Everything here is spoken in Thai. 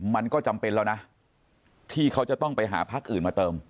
มันก็จำเป็นแล้วนะที่เขาจะต้องไปหาพักอื่นมาเติม